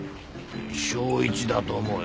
正一だと思うよ。